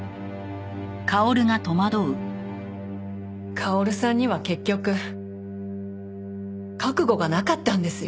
薫さんには結局覚悟がなかったんですよ。